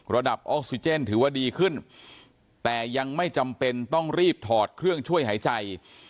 ออกซิเจนถือว่าดีขึ้นแต่ยังไม่จำเป็นต้องรีบถอดเครื่องช่วยหายใจ